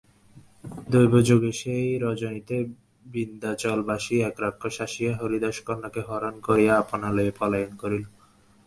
দৈবযোগে সেই রজনীতে বিন্ধ্যাচলবাসী এক রাক্ষস আসিয়া হরিদাসকন্যাকে হরণ করিয়া আপন আলয়ে পলায়ন করিল।